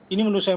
ini menurut saya